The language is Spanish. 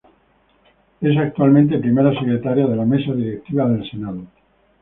Es actualmente Primera Secretaria de la Mesa Directiva del Senado.